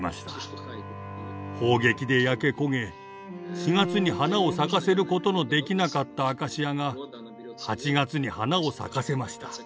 砲撃で焼け焦げ４月に花を咲かせることのできなかったアカシアが８月に花を咲かせました。